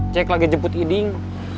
jack lagi jemput eding